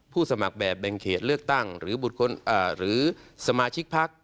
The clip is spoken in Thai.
สมัครแบบแบ่งเขตเลือกตั้งหรือสมาชิกพัก